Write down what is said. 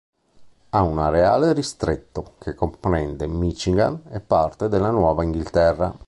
Ha un areale ristretto, che comprende Michigan e parte della Nuova Inghilterra.